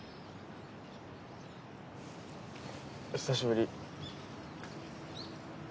久しぶり。